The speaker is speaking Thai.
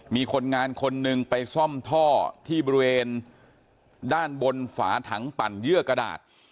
มีคนงานคนหนึ่งไปซ่อมท่อที่บริเวณด้านบนฝาถังปั่นเยื่อกระดาษ